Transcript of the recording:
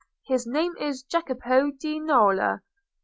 His name is Jacopo di Nola.